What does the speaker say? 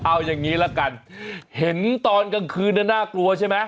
เอาอย่างนี้ละกันเห็นตอนกลางคืนนั้นน่ากลัวใช่ไหม